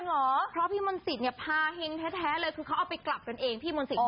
เพราะว่าพี่มนติดเนี่ยพาเฮงแท้เลยคือเขาเอาไปกลับกันเอง